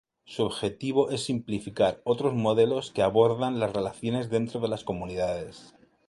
Su objetivo es simplificar otros modelos que abordan las relaciones dentro de las comunidades.